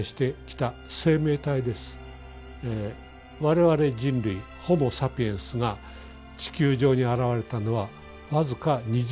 我々人類ホモサピエンスが地球上に現れたのは僅か２０万年前です。